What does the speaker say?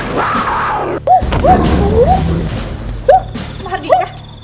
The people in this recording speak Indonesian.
bei ku gernanya kristin ya harga ya